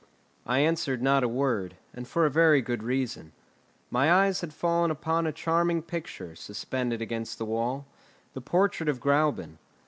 I answered not a word, and for a very good reason. My eyes had fallen upon a charming picture, suspended against the wall, the portrait of Gräuben.